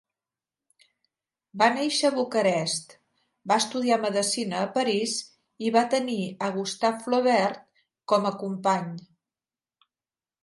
Va néixer a Bucarest, va estudiar medicina a París i va tenir a Gustave Flaubert com a company.